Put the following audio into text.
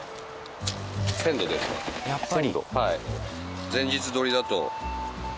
やっぱり。